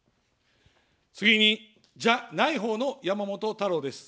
次に、じゃないほうの山本太郎です。